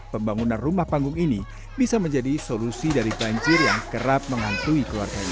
pembangunan rumah panggung ini bisa menjadi solusi dari banjir yang kerap menghantui keluarganya